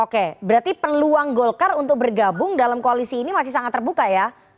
oke berarti peluang golkar untuk bergabung dalam koalisi ini masih sangat terbuka ya